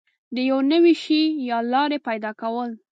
د یو نوي شي یا لارې پیدا کول